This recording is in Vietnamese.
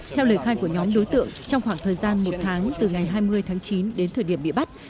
theo lời khai của nhóm đối tượng trong khoảng thời gian một tháng từ ngày hai mươi tháng chín đến thời điểm bị bắt